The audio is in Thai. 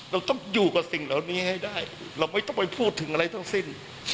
เราต้องอยู่กับสิ่งเหล่านี้ให้ได้เราไม่ต้องไปพูดถึงอะไรทั้งสิ้น